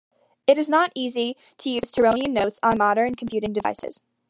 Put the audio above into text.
It is not easy to use Tironian notes on modern computing devices.